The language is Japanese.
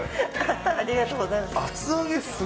ありがとうございます。